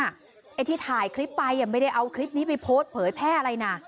ไอ้ที่ถ่ายคลิปไปไม่ได้เอาคลิปนี้ไปโพสต์เผยแพร่อะไรนะ